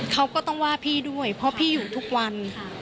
เขาก็ต้องว่าพี่ด้วยเพราะพี่อยู่ทุกวัน